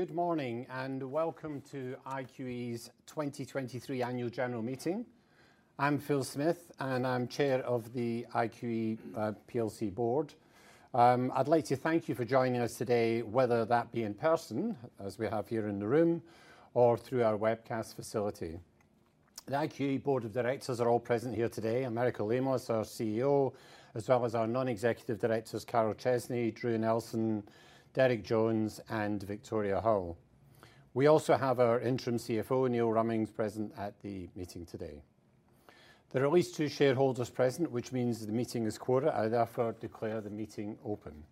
Good morning, welcome to IQE's 2023 Annual General Meeting. I'm Phil Smith. I'm Chair of the IQE PLC board. I'd like to thank you for joining us today, whether that be in person, as we have here in the room, or through our webcast facility. The IQE Board of Directors are all present here today. Americo Lemos, our CEO, as well as our Non-Executive Directors, Carol Chesney, Andrew Nelson, Derek Jones, and Victoria Hull. We also have our Interim CFO, Neil Rummings, present at the meeting today. There are at least two shareholders present, which means the meeting is quota. I, therefore, declare the meeting open.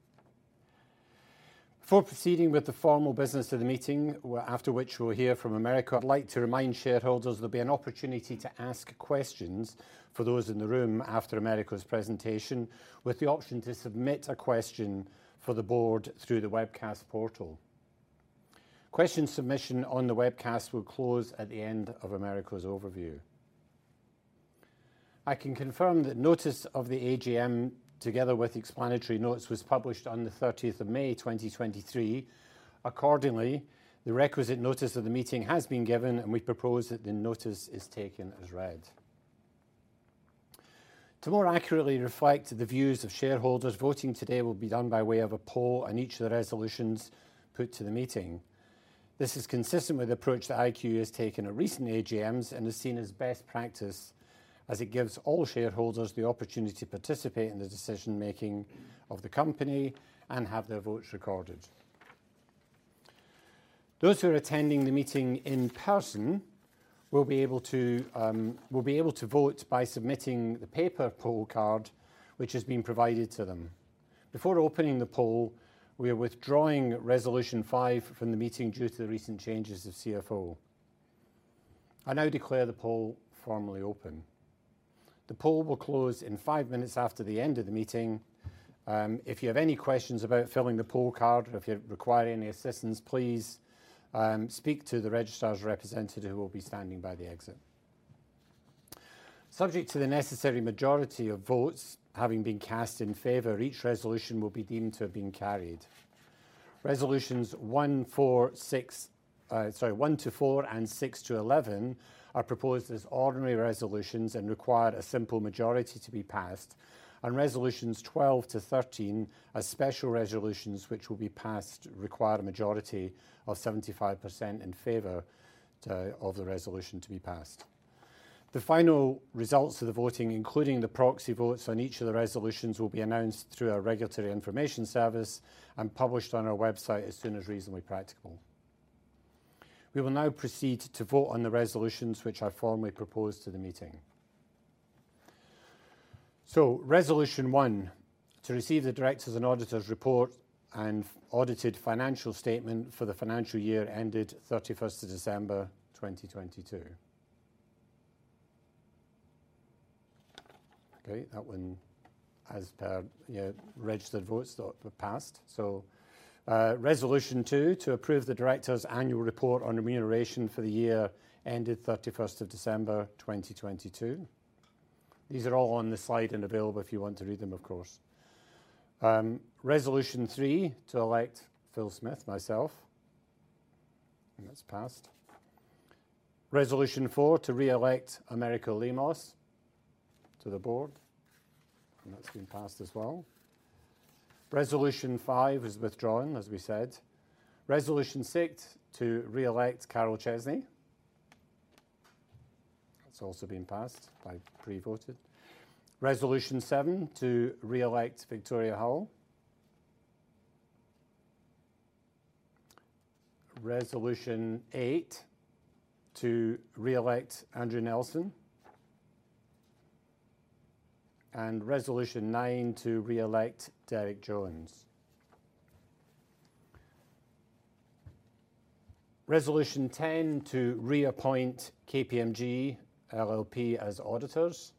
Before proceeding with the formal business of the meeting, where after which we'll hear from Americo, I'd like to remind shareholders there'll be an opportunity to ask questions for those in the room after Americo's presentation, with the option to submit a question for the board through the webcast portal. Question submission on the webcast will close at the end of Americo's overview. I can confirm that notice of the AGM, together with explanatory notes, was published on the 30th of May, 2023. Accordingly, the requisite notice of the meeting has been given, and we propose that the notice is taken as read. To more accurately reflect the views of shareholders, voting today will be done by way of a poll on each of the resolutions put to the meeting. This is consistent with the approach that IQE has taken at recent AGMs and is seen as best practice, as it gives all shareholders the opportunity to participate in the decision-making of the company and have their votes recorded. Those who are attending the meeting in person will be able to vote by submitting the paper poll card, which has been provided to them. Before opening the poll, we are withdrawing Resolution 5 from the meeting due to the recent changes of CFO. I now declare the poll formally open. The poll will close in five minutes after the end of the meeting. If you have any questions about filling the poll card or if you require any assistance, please speak to the registrar's representative, who will be standing by the exit. Subject to the necessary majority of votes having been cast in favor, each resolution will be deemed to have been carried. Resolutions 1, 4, 6... Sorry, 1 to 4 and 6 to 11 are proposed as ordinary resolutions and require a simple majority to be passed, and Resolutions 12 to 13 are special resolutions, which will be passed, require a majority of 75% in favor of the resolution to be passed. The final results of the voting, including the proxy votes on each of the resolutions, will be announced through our regulatory information service and published on our website as soon as reasonably practicable. We will now proceed to vote on the resolutions, which are formally proposed to the meeting. Resolution 1: to receive the directors' and auditors' report and audited financial statement for the financial year ended 31st of December, 2022. That one has, yeah, registered votes that were passed. Resolution 2: to approve the directors' annual report on remuneration for the year ended 31st of December, 2022. These are all on the slide and available if you want to read them, of course. Resolution 3: to elect Phil Smith, myself, that's passed. Resolution 4: to re-elect Americo Lemos to the board, that's been passed as well. Resolution 5 is withdrawn, as we said. Resolution 6: to re-elect Carol Chesney. That's also been passed by pre-voted. Resolution 7: to re-elect Victoria Hull. Resolution 8: to re-elect Andrew Nelson. Resolution 9: to re-elect Derek Jones. Resolution 10: to reappoint KPMG LLP as auditors.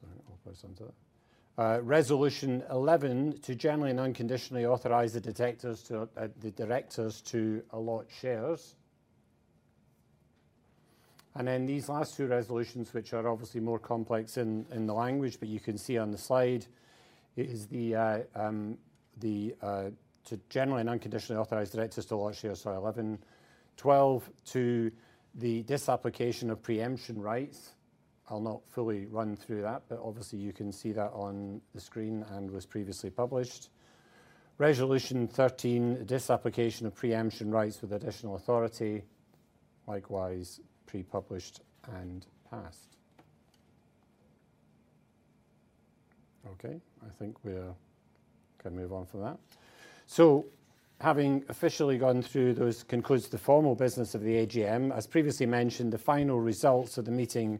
Sorry, onto that. Resolution 11: to generally and unconditionally authorize the directors to allot shares. These last two resolutions, which are obviously more complex in the language, but you can see on the slide, it is the to generally and unconditionally authorize directors to allot shares, so 11. 12: to the disapplication of pre-emption rights. I'll not fully run through that, but obviously you can see that on the screen and was previously published. Resolution 13: disapplication of pre-emption rights with additional authority, likewise pre-published and passed. Okay, I think we can move on from that. Having officially gone through those, concludes the formal business of the AGM. As previously mentioned, the final results of the meeting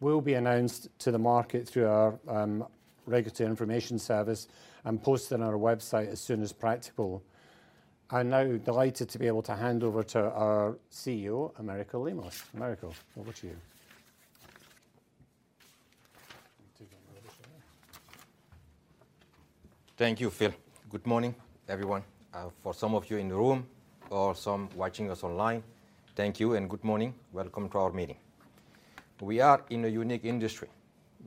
will be announced to the market through our regulatory information service and posted on our website as soon as practical. I'm now delighted to be able to hand over to our CEO, Americo Lemos. Americo, over to you. Thank you, Phil. Good morning, everyone. For some of you in the room or some watching us online, thank you and good morning. Welcome to our meeting. We are in a unique industry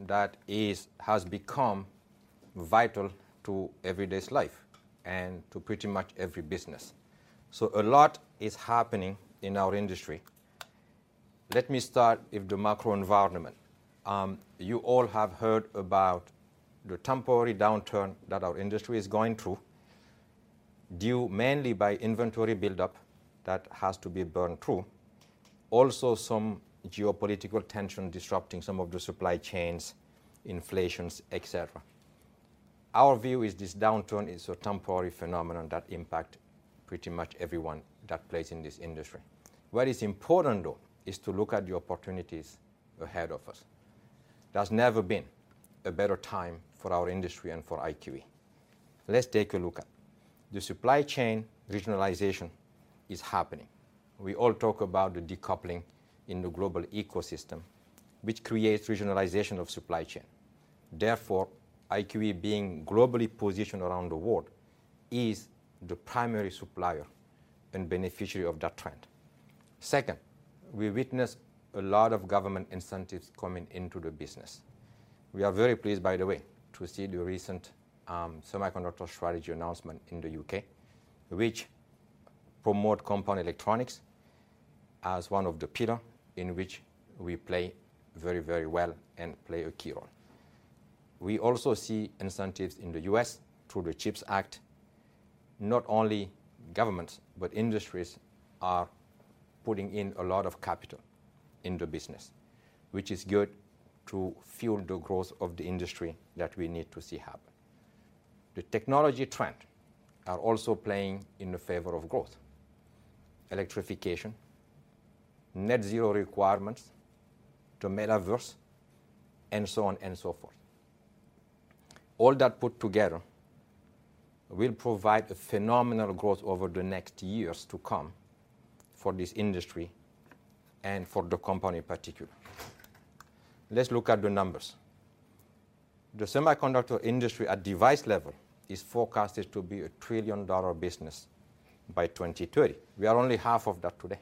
that has become vital to everyday's life and to pretty much every business. A lot is happening in our industry. Let me start with the macro environment. You all have heard about the temporary downturn that our industry is going through, due mainly by inventory buildup that has to be burned through. Also, some geopolitical tension disrupting some of the supply chains, inflations, etc. Our view is this downturn is a temporary phenomenon that impact pretty much everyone that plays in this industry. What is important, though, is to look at the opportunities ahead of us. There's never been a better time for our industry and for IQE. Let's take a look at. The supply chain regionalization is happening. We all talk about the decoupling in the global ecosystem, which creates regionalization of supply chain. Therefore, IQE being globally positioned around the world, is the primary supplier and beneficiary of that trend. Second, we witness a lot of government incentives coming into the business. We are very pleased, by the way, to see the recent semiconductor strategy announcement in the U.K., which promote compound semiconductors as one of the pillar in which we play very, very well and play a key role. We also see incentives in the U.S. through the CHIPS Act. Not only governments, but industries are putting in a lot of capital in the business, which is good to fuel the growth of the industry that we need to see happen. The technology trend are also playing in the favor of growth: electrification, net zero requirements, the metaverse, and so on and so forth. All that put together will provide a phenomenal growth over the next years to come for this industry and for the company in particular. Let's look at the numbers. The semiconductor industry at device level is forecasted to be a $1 trillion business by 2030. We are only half of that today.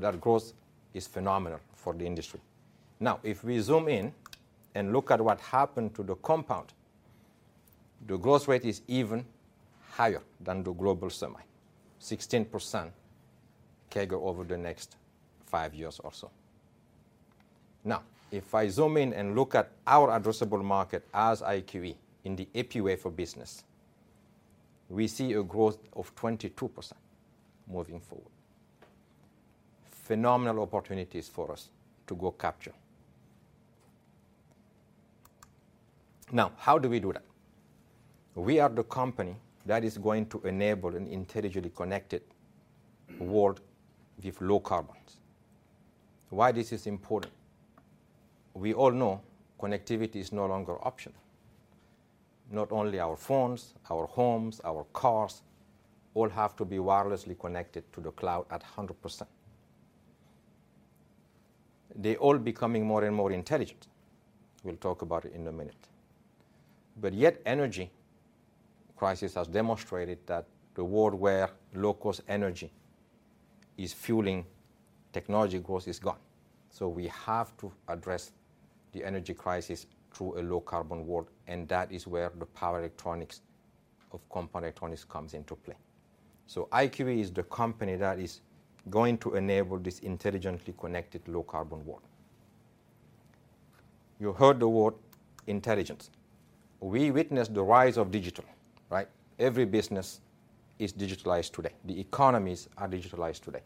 That growth is phenomenal for the industry. If we zoom in and look at what happened to the compound, the growth rate is even higher than the global semi, 16% CAGR over the next five years or so. If I zoom in and look at our addressable market as IQE in the epiwaferbusiness, we see a growth of 22% moving forward. Phenomenal opportunities for us to go capture. How do we do that? We are the company that is going to enable an intelligently connected world with low carbons. Why this is important? We all know connectivity is no longer optional. Not only our phones, our homes, our cars, all have to be wirelessly connected to the cloud at 100%. They all becoming more and more intelligent. We'll talk about it in a minute. Yet, energy crisis has demonstrated that the world where low-cost energy is fueling technology growth is gone. We have to address the energy crisis through a low-carbon world, and that is where the power electronics of compound semiconductors comes into play. IQE is the company that is going to enable this intelligently connected low-carbon world. You heard the word intelligence. We witnessed the rise of digital, right? Every business is digitalized today. The economies are digitalized today.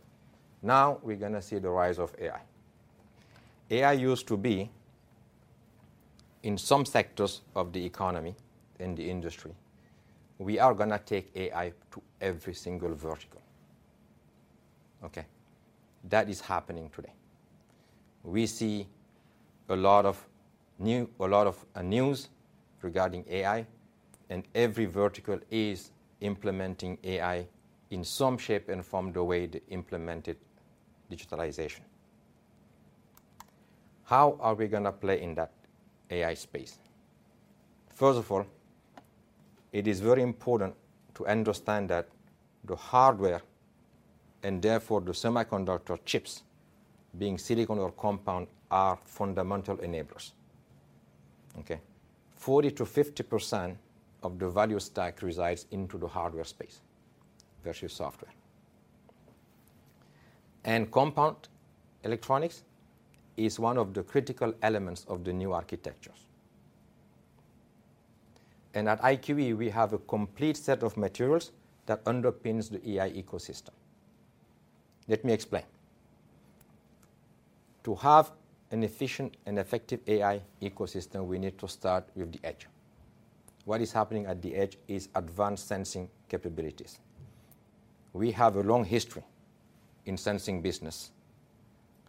Now, we're gonna see the rise of AI. AI used to be in some sectors of the economy and the industry. We are gonna take AI to every single vertical. Okay, that is happening today. We see a lot of news regarding AI, and every vertical is implementing AI in some shape and form, the way they implemented digitalization. How are we gonna play in that AI space? First of all, it is very important to understand that the hardware, and therefore the semiconductor chips, being silicon or compound, are fundamental enablers. Okay? 40%-50% of the value stack resides into the hardware space versus software. compound semiconductors is one of the critical elements of the new architectures. At IQE, we have a complete set of materials that underpins the AI ecosystem. Let me explain. To have an efficient and effective AI ecosystem, we need to start with the edge. What is happening at the edge is advanced sensing capabilities. We have a long history in sensing business,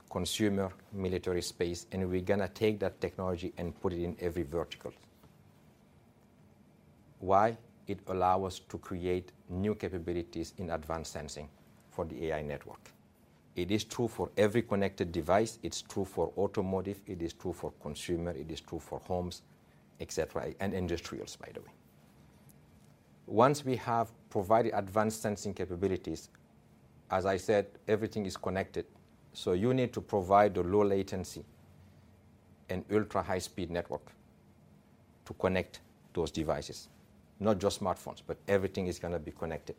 consumer, military space. We're gonna take that technology and put it in every vertical. Why? It allow us to create new capabilities in advanced sensing for the AI network. It is true for every connected device, it's true for automotive, it is true for consumer, it is true for homes, et cetera. Industrials, by the way. Once we have provided advanced sensing capabilities, as I said, everything is connected. You need to provide a low latency and ultra-high speed network to connect those devices. Not just smartphones, but everything is going to be connected.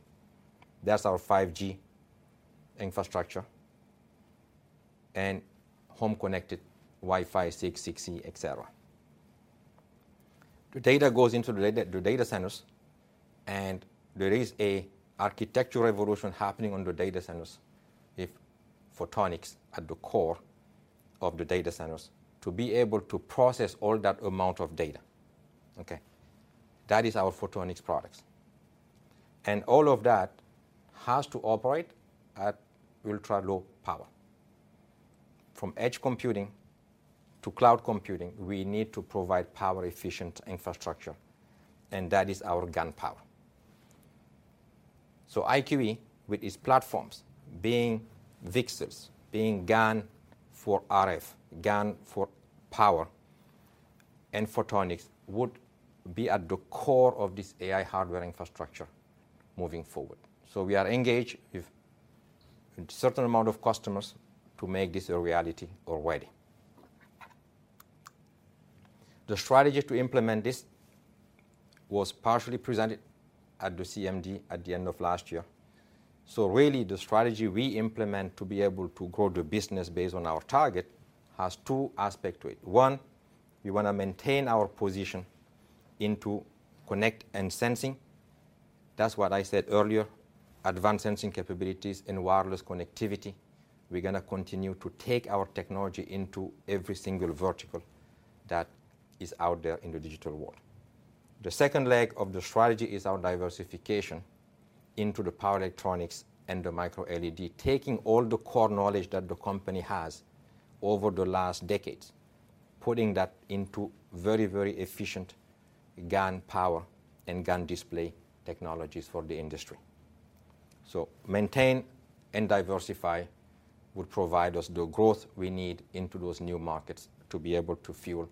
That's our 5G infrastructure and home connected Wi-Fi 6, 6E, etc. The data goes into the data centers. There is a architectural revolution happening on the data centers, if photonics at the core of the data centers, to be able to process all that amount of data, okay? That is our photonics products. All of that has to operate at ultra-low power. From edge computing to cloud computing, we need to provide power-efficient infrastructure. That is our GaN power. IQE, with its platforms being VCSELs, being GaN for RF, GaN for power, and photonics, would be at the core of this AI hardware infrastructure moving forward. We are engaged with a certain amount of customers to make this a reality already. The strategy to implement this was partially presented at the CMD at the end of last year. Really, the strategy we implement to be able to grow the business based on our target has two aspect to it. One, we want to maintain our position into connect and sensing. That's what I said earlier, advanced sensing capabilities and wireless connectivity. We're going to continue to take our technology into every single vertical that is out there in the digital world. The second leg of the strategy is our diversification into the power electronics and the microLED, taking all the core knowledge that the company has over the last decades, putting that into very, very efficient GaN power and GaN display technologies for the industry. Maintain and diversify would provide us the growth we need into those new markets to be able to fuel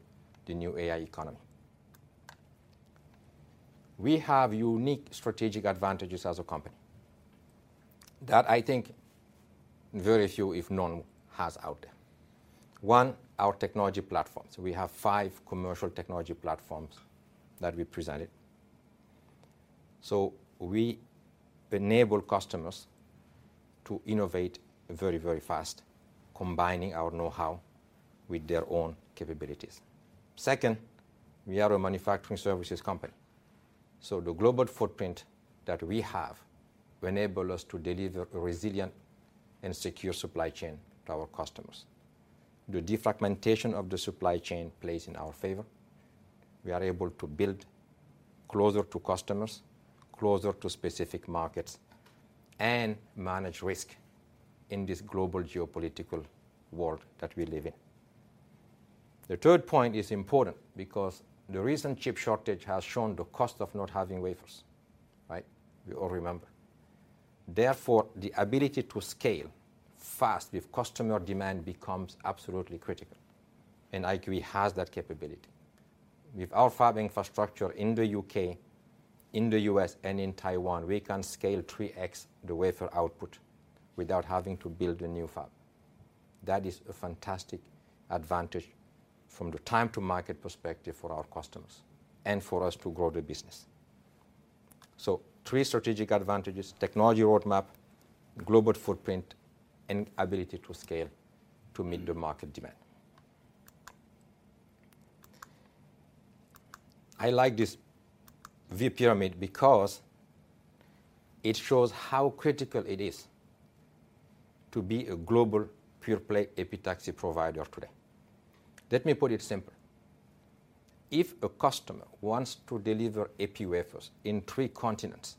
the new AI economy. We have unique strategic advantages as a company that I think very few, if none, has out there. One, our technology platforms. We have five commercial technology platforms that we presented. We enable customers to innovate very, very fast, combining our know-how with their own capabilities. Second, we are a manufacturing services company, so the global footprint that we have will enable us to deliver a resilient and secure supply chain to our customers. The defragmentation of the supply chain plays in our favor. We are able to build closer to customers, closer to specific markets, and manage risk in this global geopolitical world that we live in. The third point is important because the recent chip shortage has shown the cost of not having wafers, right? We all remember. Therefore, the ability to scale fast with customer demand becomes absolutely critical, and IQE has that capability. With our fab infrastructure in the U.K., in the U.S., and in Taiwan, we can scale 3x the wafer output without having to build a new fab. That is a fantastic advantage from the time to market perspective for our customers and for us to grow the business. Three strategic advantages: technology roadmap, global footprint, and ability to scale to meet the market demand. I like this V pyramid because it shows how critical it is to be a global pure-play epitaxy provider today. Let me put it simple: If a customer wants to deliver epi wafers in three continents,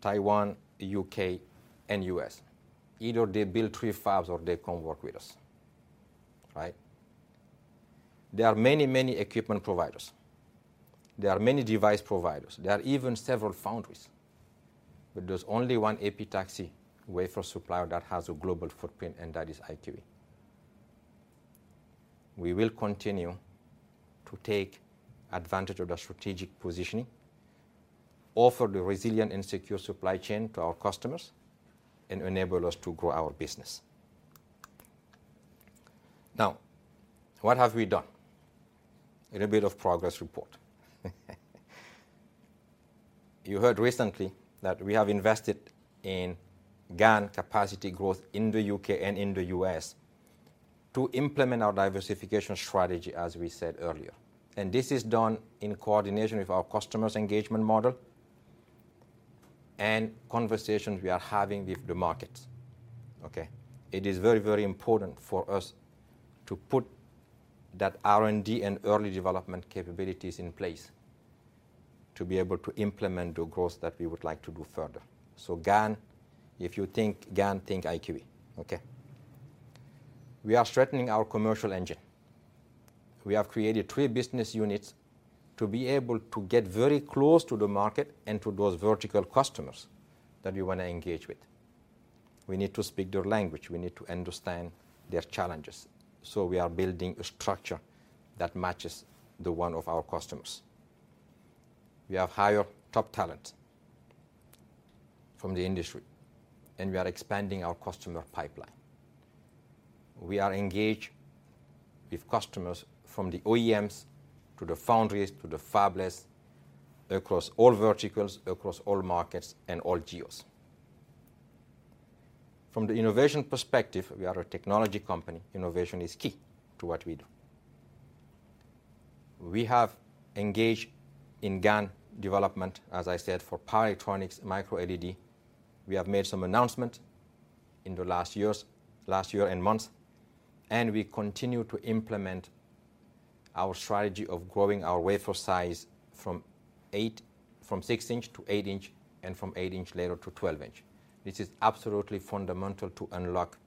Taiwan, U.K., and U.S., either they build three fabs or they come work with us, right? There are many, many equipment providers. There are many device providers. There are even several foundries. There's only one epitaxy wafer supplier that has a global footprint, and that is IQE. We will continue to take advantage of the strategic positioning, offer the resilient and secure supply chain to our customers, and enable us to grow our business. What have we done? A little bit of progress report. You heard recently that we have invested in GaN capacity growth in the U.K. and in the U.S. to implement our diversification strategy, as we said earlier. This is done in coordination with our customers' engagement model and conversations we are having with the markets, okay? It is very, very important for us to put that R&D and early development capabilities in place to be able to implement the growth that we would like to do further. GaN, if you think GaN, think IQE, okay? We are strengthening our commercial engine. We have created three business units to be able to get very close to the market and to those vertical customers that we want to engage with. We need to speak their language. We need to understand their challenges. We are building a structure that matches the one of our customers. We have hired top talent from the industry, and we are expanding our customer pipeline. We are engaged with customers from the OEMs to the foundries to the fabless, across all verticals, across all markets and all geos. From the innovation perspective, we are a technology company. Innovation is key to what we do. We have engaged in GaN development, as I said, for power electronics, microLED. We have made some announcement in the last years, last year and months. We continue to implement our strategy of growing our wafer size from 6 in-8 in, and from 8 in later to 12 in. This is absolutely fundamental to unlock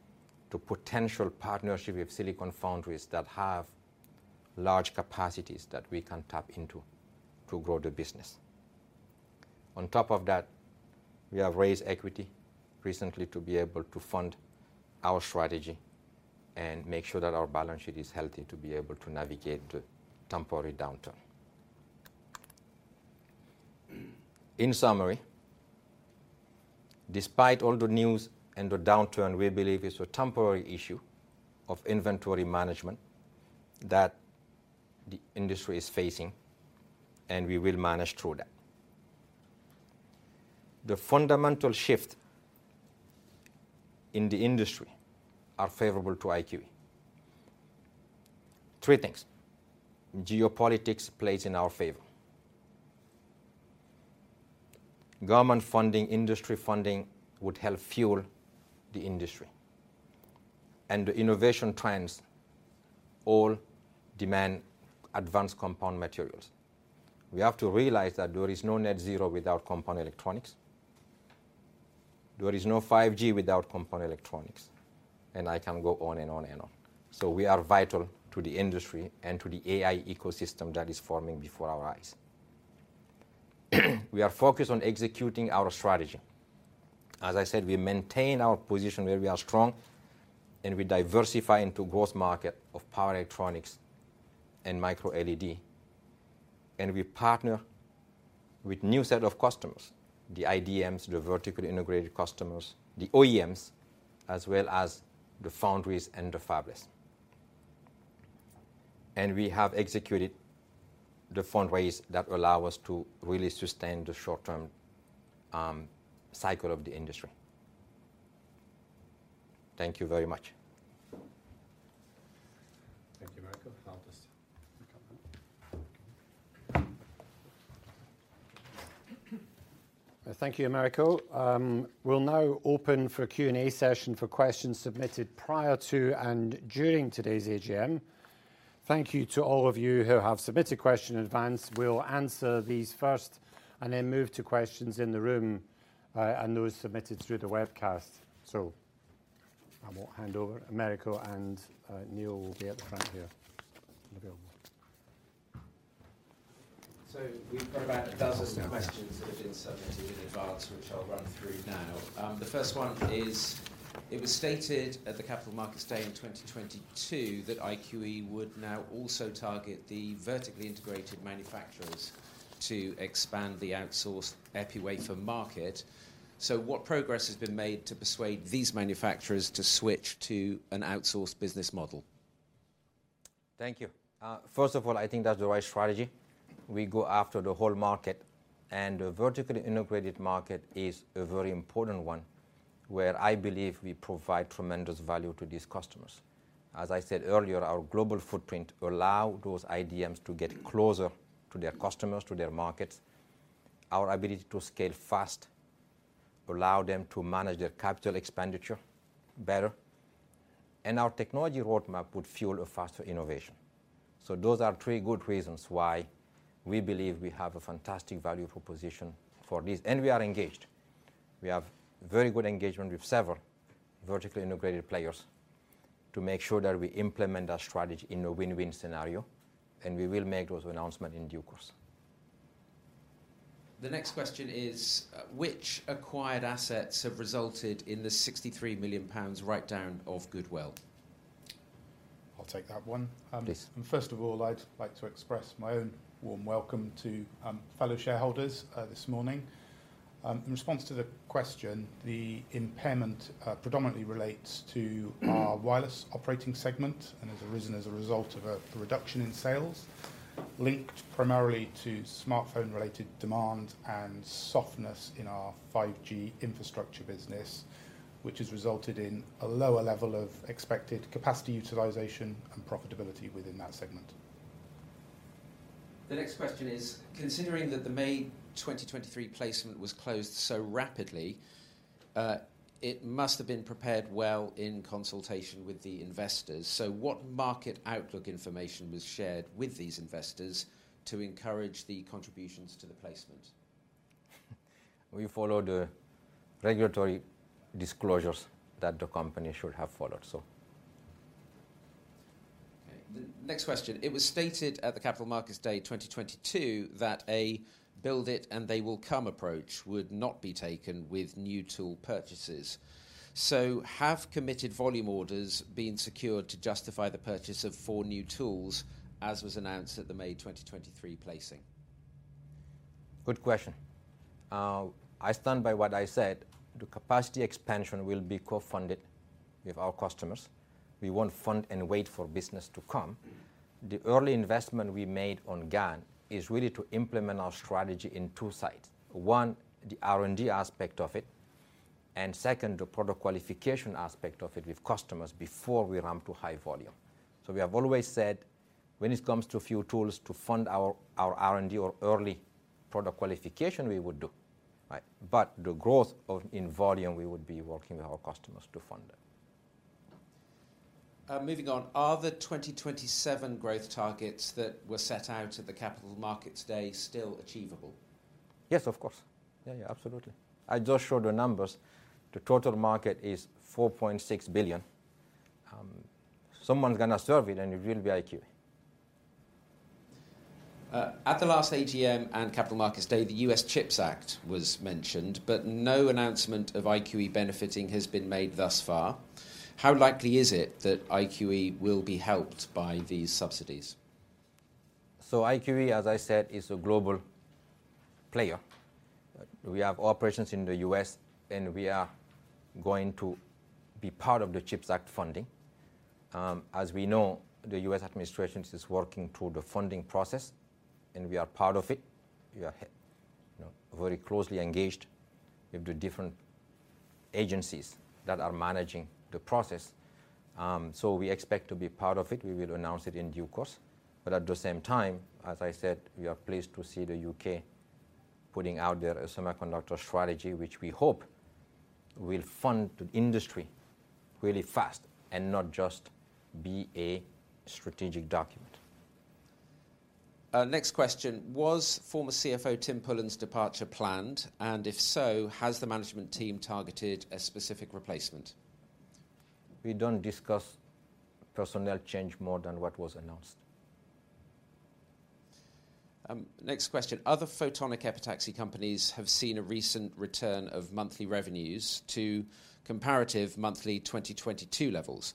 the potential partnership with silicon foundries that have large capacities that we can tap into to grow the business. On top of that, we have raised equity recently to be able to fund our strategy and make sure that our balance sheet is healthy to be able to navigate the temporary downturn. In summary, despite all the news and the downturn, we believe it's a temporary issue of inventory management that the industry is facing. We will manage through that. The fundamental shift in the industry are favorable to IQE. Three things: geopolitics plays in our favor. Government funding, industry funding would help fuel the industry, and the innovation trends all demand advanced compound materials. We have to realize that there is no net zero without compound semiconductors. There is no 5G without compound semiconductors, and I can go on and on and on. We are vital to the industry and to the AI ecosystem that is forming before our eyes. We are focused on executing our strategy. As I said, we maintain our position where we are strong, and we diversify into growth market of power electronics and microLED, and we partner with new set of customers, the IDMs, the vertically integrated customers, the OEMs, as well as the foundries and the fabless. We have executed the fundraise that will allow us to really sustain the short-term cycle of the industry. Thank you very much. Thank you, Americo. We'll now open for a Q&A session for questions submitted prior to and during today's AGM. Thank you to all of you who have submitted question in advance. We'll answer these first and then move to questions in the room and those submitted through the webcast. I will hand over. Americo and Neil will be at the front here. Uncertain. We've got about a dozen questions that have been submitted in advance, which I'll run through now. The first one is: It was stated at the Capital Markets Day in 2022 that IQE would now also target the vertically integrated manufacturers to expand the outsourced epi wafer market. What progress has been made to persuade these manufacturers to switch to an outsourced business model? Thank you. first of all, I think that's the right strategy. We go after the whole market. The vertically integrated market is a very important one, where I believe we provide tremendous value to these customers. As I said earlier, our global footprint allow those IDMs to get closer to their customers, to their markets. Our ability to scale fast allow them to manage their capital expenditure better. Our technology roadmap would fuel a faster innovation. Those are three good reasons why we believe we have a fantastic value proposition for this. We are engaged. We have very good engagement with several vertically integrated players to make sure that we implement our strategy in a win-win scenario. We will make those announcement in due course. The next question is, which acquired assets have resulted in the 63 million pounds write-down of goodwill? I'll take that one. Please. First of all, I'd like to express my own warm welcome to fellow shareholders this morning. In response to the question, the impairment predominantly relates to our wireless operating segment and has arisen as a result of a reduction in sales, linked primarily to smartphone-related demand and softness in our 5G infrastructure business, which has resulted in a lower level of expected capacity utilization and profitability within that segment. The next question is: Considering that the May 2023 placement was closed so rapidly, it must have been prepared well in consultation with the investors. What market outlook information was shared with these investors to encourage the contributions to the placement? We followed the regulatory disclosures that the company should have followed, so. The next question: it was stated at the Capital Markets Day 2022 that a build it and they will come approach would not be taken with new tool purchases. Have committed volume orders been secured to justify the purchase of four new tools, as was announced at the May 2023 placing? Good question. I stand by what I said. The capacity expansion will be co-funded with our customers. We won't fund and wait for business to come. The early investment we made on GaN is really to implement our strategy in two sides. One, the R&D aspect of it, and second, the product qualification aspect of it with customers before we ramp to high volume. We have always said, when it comes to a few tools to fund our R&D or early product qualification, we would do, right? The growth in volume, we would be working with our customers to fund it. Moving on, are the 2027 growth targets that were set out at the Capital Markets Day still achievable? Yes, of course. Yeah, absolutely. I just showed the numbers. The total market is 4.6 billion. Someone's gonna serve it, and it will be IQE. At the last AGM and Capital Markets Day, the US CHIPS Act was mentioned, but no announcement of IQE benefiting has been made thus far. How likely is it that IQE will be helped by these subsidies? IQE, as I said, is a global player. We have operations in the U.S., and we are going to be part of the CHIPS Act funding. As we know, the U.S. administration is working through the funding process, and we are part of it. We are you know, very closely engaged with the different agencies that are managing the process. We expect to be part of it. We will announce it in due course, at the same time, as I said, we are pleased to see the U.K. putting out their semiconductor strategy, which we hope will fund the industry really fast and not just be a strategic document. Next question: Was former CFO Tim Pullen's departure planned? If so, has the management team targeted a specific replacement? We don't discuss personnel change more than what was announced. Next question: Other photonic epitaxy companies have seen a recent return of monthly revenues to comparative monthly 2022 levels.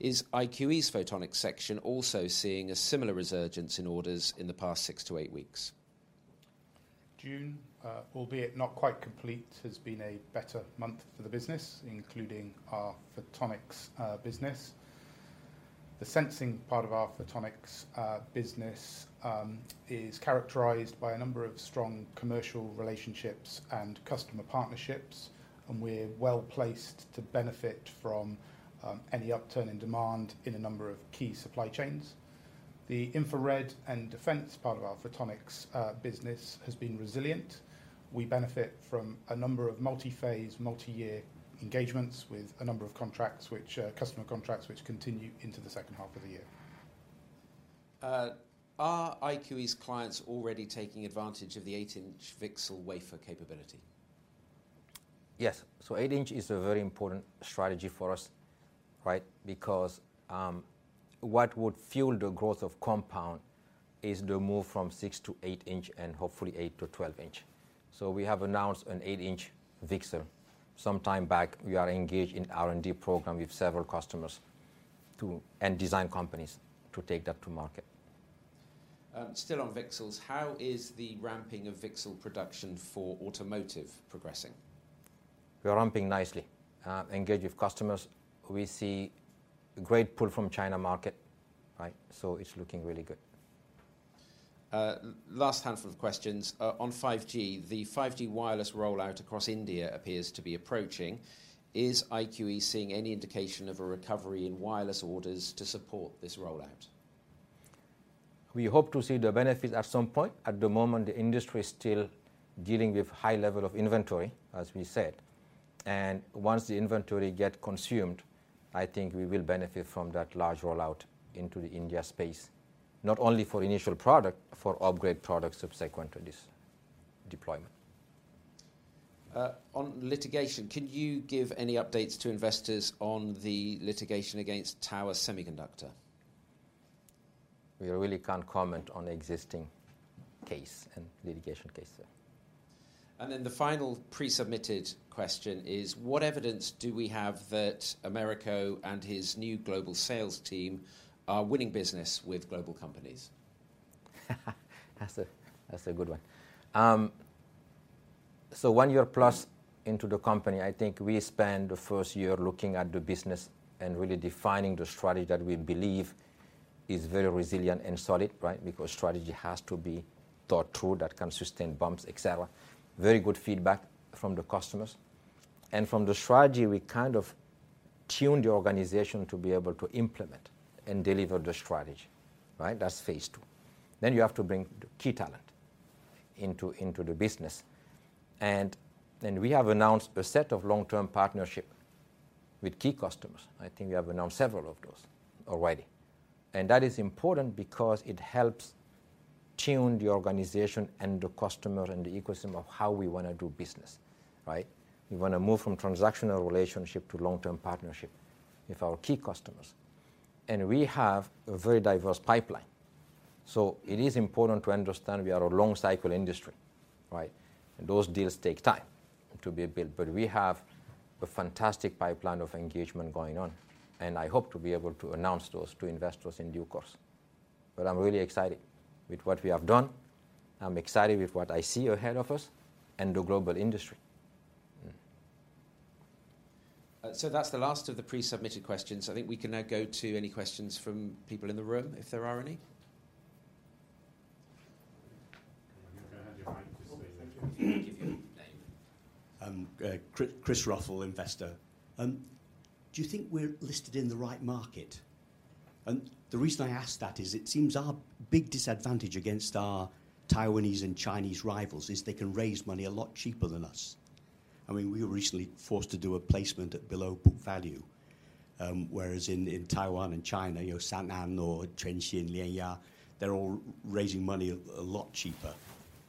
Is IQE's photonics section also seeing a similar resurgence in orders in the past six to eight weeks? June, albeit not quite complete, has been a better month for the business, including our photonics business. The sensing part of our photonics business is characterized by a number of strong commercial relationships and customer partnerships. We're well placed to benefit from any upturn in demand in a number of key supply chains. The infrared and defense part of our photonics business has been resilient. We benefit from a number of multi-phase, multi-year engagements with a number of contracts, which customer contracts, which continue into the second half of the year. Are IQE's clients already taking advantage of the 8-in VCSEL wafer capability? Yes. 8 in is a very important strategy for us, right? Because what would fuel the growth of compound is the move from 6 in-8 in and hopefully 8 in-12 in. We have announced an 8 in VCSEL some time back. We are engaged in R&D program with several customers and design companies to take that to market. Still on VCSELs, how is the ramping of VCSEL production for automotive progressing? We are ramping nicely, engaged with customers. We see great pull from China market, right? It's looking really good. Last handful of questions. On 5G, the 5G wireless rollout across India appears to be approaching. Is IQE seeing any indication of a recovery in wireless orders to support this rollout? We hope to see the benefit at some point. At the moment, the industry is still dealing with high level of inventory, as we said, and once the inventory get consumed, I think we will benefit from that large rollout into the India space. Not only for initial product, for upgrade products subsequent to this deployment. On litigation, can you give any updates to investors on the litigation against Tower Semiconductor? We really can't comment on the existing case and litigation case there. The final pre-submitted question is: What evidence do we have that Americo and his new global sales team are winning business with global companies? That's a, that's a good one. One year plus into the company, I think we spent the first year looking at the business and really defining the strategy that we believe is very resilient and solid, right? Because strategy has to be thought through, that can sustain bumps, et cetera. Very good feedback from the customers, and from the strategy, we kind of tuned the organization to be able to implement and deliver the strategy, right? That's Phase II. You have to bring key talent into the business. We have announced a set of long-term partnership with key customers. I think we have announced several of those already, and that is important because it tune the organization and the customer and the ecosystem of how we wanna do business, right? We wanna move from transactional relationship to long-term partnership with our key customers. We have a very diverse pipeline. It is important to understand we are a long cycle industry, right? Those deals take time to be built, but we have a fantastic pipeline of engagement going on, and I hope to be able to announce those to investors in due course. I'm really excited with what we have done, and I'm excited with what I see ahead of us and the global industry. That's the last of the pre-submitted questions. I think we can now go to any questions from people in the room, if there are any. Go ahead, have your mic just so. Chris Ruffel, investor. Do you think we're listed in the right market? The reason I ask that is it seems our big disadvantage against our Taiwanese and Chinese rivals is they can raise money a lot cheaper than us. I mean, we were recently forced to do a placement at below book value. Whereas in Taiwan and China, you know, San'an or Changelight, Lextar, they're all raising money a lot cheaper.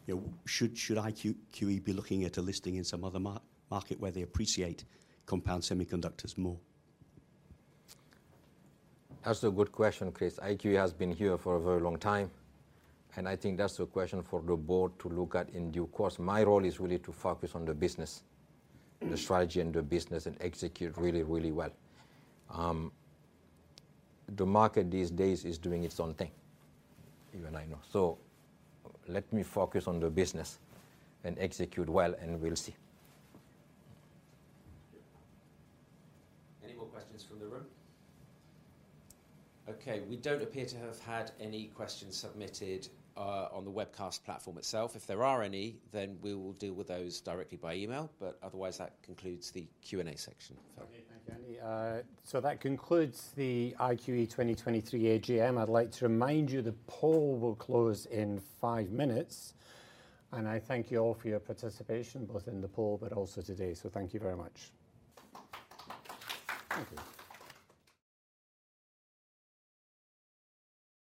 You know, should IQE be looking at a listing in some other market where they appreciate compound semiconductors more? That's a good question, Chris. IQE has been here for a very long time, and I think that's a question for the board to look at in due course. My role is really to focus on the business the strategy and the business, and execute really, really well. The market these days is doing its own thing, you and I know. Let me focus on the business and execute well, and we'll see. Any more questions from the room? Okay, we don't appear to have had any questions submitted on the webcast platform itself. If there are any, then we will deal with those directly by email, but otherwise, that concludes the Q&A section. That concludes the IQE 2023 AGM. I'd like to remind you the poll will close in five minutes, and I thank you all for your participation, both in the poll but also today. Thank you very much. Thank you.